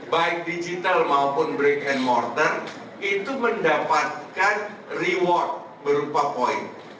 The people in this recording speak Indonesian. baik digital maupun break and morter itu mendapatkan reward berupa point